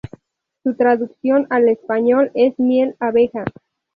Su traducción al español es miel, abeja.